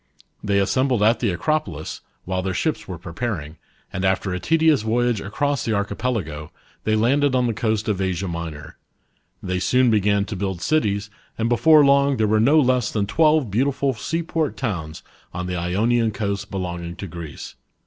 They assembled at the Acropolis while B.C. 1040.] GREEK, COLONIES. 71 t their ships were preparing, and after a tedious voyage across the Archipelago, they landed on the coast of Asia Minor. They soon began to build cities, and before long, . there were no less than twelve beautiful seaport towns on the Ionian coast belonging to Greece.